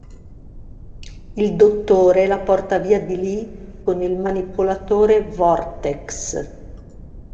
Il Dottore la porta via di lì con il manipolatore vortex.